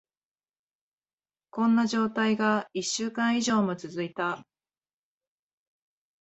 こんな状態が一週間以上も続いた。